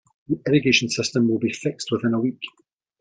The irrigation system will be fixed within a week.